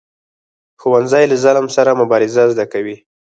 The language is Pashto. ښوونځی له ظلم سره مبارزه زده کوي